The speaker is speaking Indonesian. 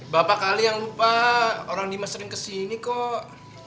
bapak kali yang lupa orang nadimas sering kesini kok